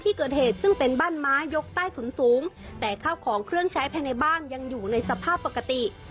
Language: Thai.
ที่เกิดเหตุซึ่งเป็นบ้านไม้ยกใต้ถุนสูงแต่ข้าวของเครื่องใช้ภายในบ้านยังอยู่ในสภาพปกติ